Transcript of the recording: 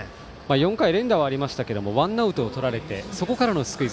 ４回、連打はありましたがワンアウトをとられてそこからのスクイズ。